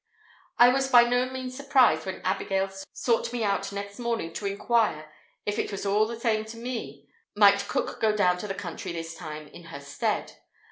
I was by no means surprised when Abigail sought me out next morning to inquire, if it was all the same to me, might cook go down to the country this time, in her stead?